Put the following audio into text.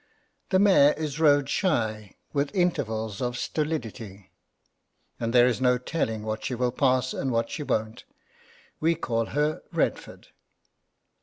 The mare is road shy, with intervals of stolidity, and there is no telling what she will pass and what she won't. We call her Redford.